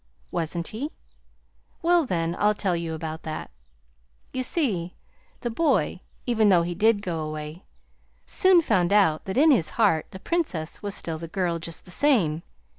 "Wasn't he? Well, then, I'll tell you about that. You see, the boy, even though he did go away, soon found out that in his heart the Princess was still the girl, just the same.